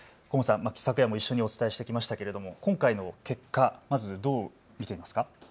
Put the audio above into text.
昨夜も一緒にお伝えしてきましたけれども今回の結果、まずどう見てますか。